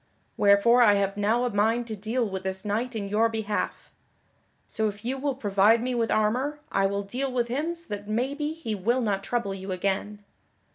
Wherefore I have now a mind to deal with this knight in your behalf. So if you will provide me with armor I will deal with him so that maybe he will not trouble you again.